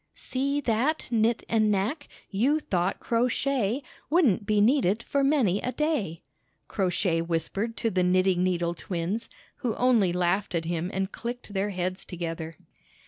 "See that, Knit and Ivnack! You thought Crow Shay Wouldn't be needed For many a day!" Crow Shay whispered to the knitting needle twins, who only laughed at him and chcked their heads together.